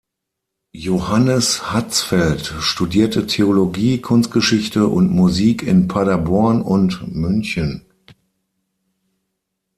Johannes Hatzfeld studierte Theologie, Kunstgeschichte und Musik in Paderborn und München.